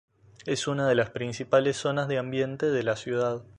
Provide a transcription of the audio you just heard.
Es una de las principales zonas de ambiente de la ciudad.